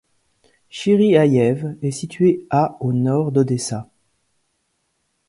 Chyriaïeve est située à au nord d'Odessa.